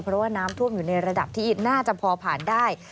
เพราะว่าน้ำท่วมอยู่ในระดับที่น่าจะพอผ่านได้